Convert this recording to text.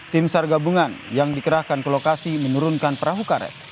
tim sar gabungan yang dikerahkan ke lokasi menurunkan perahu karet